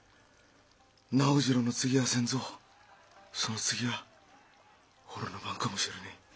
直次郎の次は仙蔵その次は俺の番かもしれねえ。